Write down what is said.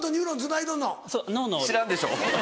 知らんでしょ。